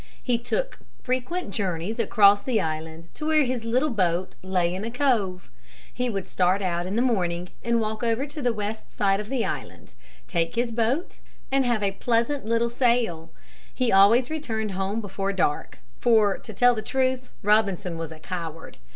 He took frequent journeys across the island to where his little boat lay in the cove. He would start out in the morning and walk over to the west side of the island, take his boat and have a pleasant little sail. He always returned home before dark, for to tell the truth, Robinson was a coward.